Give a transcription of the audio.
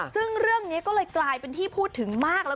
ซึ่งเรื่องนี้ก็เลยกลายเป็นที่พูดถึงมากแล้ว